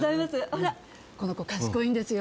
ほらこの子賢いんですよ。